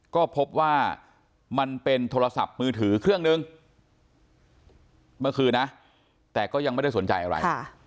ก็พบว่ามันเป็นโทรศัพท์มือถือเครื่องนึงเมื่อคืนนะแต่ก็ยังไม่ได้สนใจอะไร